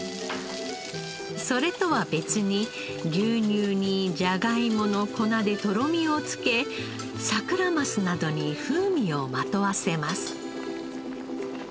それとは別に牛乳にじゃがいもの粉でとろみをつけサクラマスなどに風味をまとわせます。